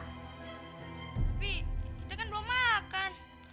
tapi kita kan belum makan